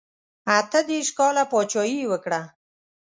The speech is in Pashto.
اته دېرش کاله پاچهي یې وکړه.